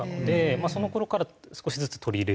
まあその頃から少しずつ取り入れるようには。